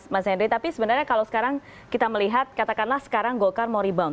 mas henry tapi sebenarnya kalau sekarang kita melihat katakanlah sekarang golkar mau rebound